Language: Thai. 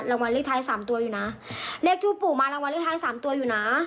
รัฐบาลไทย